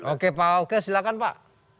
oke pak silakan pak